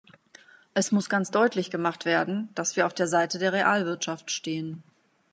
Es muss ganz deutlich gemacht werden, dass wir auf der Seite der Realwirtschaft stehen.